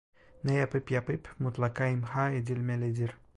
Ne yapıp yapıp, mutlaka imha edilmelidir!